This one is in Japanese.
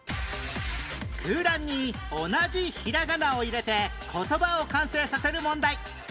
空欄に同じひらがなを入れて言葉を完成させる問題